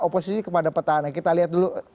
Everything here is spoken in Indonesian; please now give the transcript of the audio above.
oposisi kepada petahana kita lihat dulu